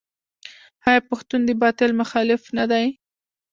آیا پښتون د باطل مخالف نه دی؟